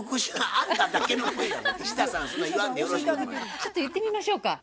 ちょっと言ってみましょうか。